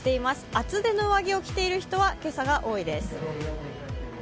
厚手の上着を着ている人が今朝は多いです。